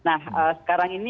nah sekarang ini